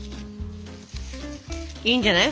いいんじゃない？